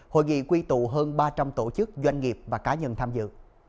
hội nghị quy tụ hơn ba trăm linh tổ chức doanh nghiệp và cá nhân tham dự